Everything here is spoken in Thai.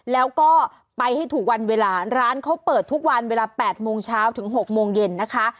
แล้วก็ไปให้ถูกวันเวลาร้านเขาเปิดทุกวันเวลา๘โมงเช้าถึง๖โมงเย็นนะคะ